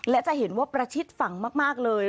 และจะเห็นว่าประชิดฝั่งมากเลย